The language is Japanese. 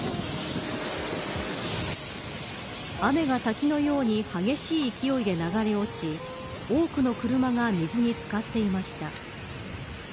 雨が滝のように激しい勢いで流れ落ち多くの車が水に漬かっていました。